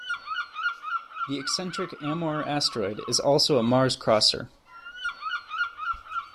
The eccentric Amor asteroid is also a Mars-crosser.